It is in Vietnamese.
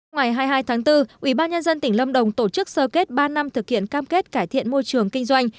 ngoài hai mươi hai tháng bốn ubnd tỉnh lâm đồng tổ chức sơ kết ba năm thực hiện cam kết cải thiện môi trường kinh doanh